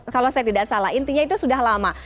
kalau saya tidak salah intinya itu sudah lama